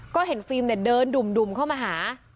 ก็เห็นฟิล์มเนี่ยเดินดุ่มเข้ามาหา